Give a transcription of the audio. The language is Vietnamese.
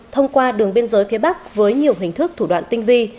thông qua đường biên giới phía bắc với nhiều hình thức thủ đoạn tinh vi